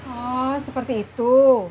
oh seperti itu